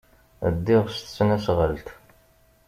Ddiɣ s tesnasɣalt.